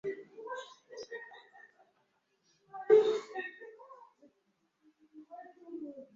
Yali ayambadde akasaati ka kyenvu n’empale enzirugavu n’ebigatto by’amasanda ebya kiragala.